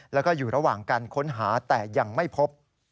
แล้วก็อยู่ระหว่างการค้นหาแต่ยังไม่พบ